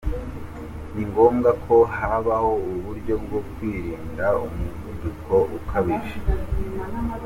Ningombwa ko habaho uburyo bwo kwirinda umuvuduko ukabije.